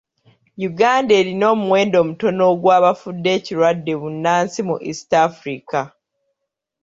Uganda erina omuwendo mutono ogw'abafudde ekirwadde bbunansi mu East Africa.